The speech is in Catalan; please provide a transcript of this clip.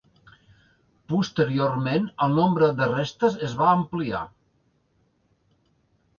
Posteriorment el nombre de restes es va ampliar.